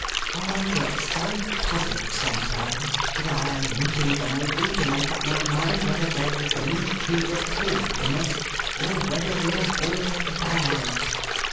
I get so puzzled sometimes that I am not even able to make up my mind whether there is any good at all in us, or whether we are born bad.